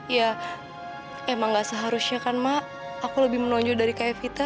ya emang nggak seharusnya kan ma aku lebih menonjol dari kak evita